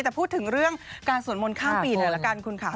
แต่พูดถึงเรื่องการสวดมนต์ข้ามปีหน่อยละกันคุณค่ะ